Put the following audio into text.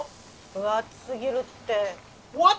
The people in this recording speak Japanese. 「分厚すぎる」って。